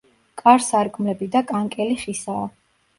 კარ-სარკმლები და კანკელი ხისაა.